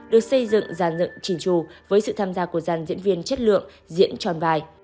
được xây dựng dàn dựng trình trù với sự tham gia của dàn diễn viên chất lượng diễn tròn vai